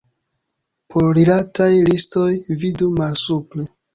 Por rilataj listoj, vidu malsupre.